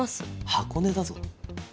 箱根だぞ？